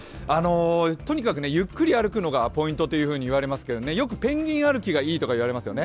とにかく、ゆっくり歩くのがポイントといわれますがよくペンギン歩きがいいと言われますよね。